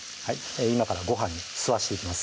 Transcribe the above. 今からご飯に吸わしていきます